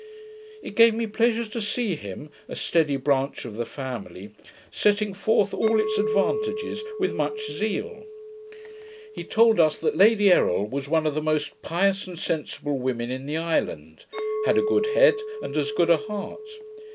It gave me pleasure to see him, a steady branch of the family, setting forth all its advantages with much zeal. He told us that Lady Errol was one of the most pious and sensible women in the island; had a good head, and as good a heart.